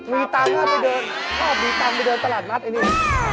มีตังค์ก็ไปเดินชอบมีตังค์ไปเดินตลาดนัดไอ้นี่